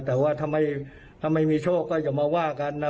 แต่ว่าถ้าไม่มีโชคก็อย่ามาว่ากันนะ